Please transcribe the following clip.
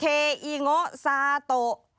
เคยิโงซาโต